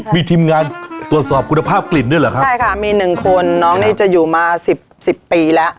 มีทีมงานตรวจสอบคุณภาพกลิ่นด้วยเหรอครับใช่ค่ะมีหนึ่งคนน้องนี่จะอยู่มาสิบสิบปีแล้ว